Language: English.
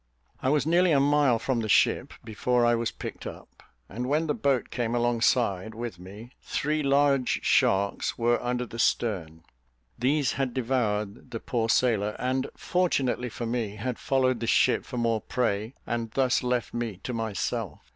I was nearly a mile from the ship before I was picked up; and when the boat came alongside with me, three large sharks were under the stern. These had devoured the poor sailor, and, fortunately for me, had followed the ship for more prey, and thus left me to myself.